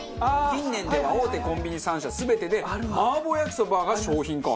近年では大手コンビニ３社全てで麻婆焼きそばが商品化。